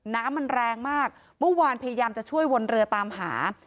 น้ำมันแรงมากเมื่อวานพยายามจะช่วยวนเรือตามหา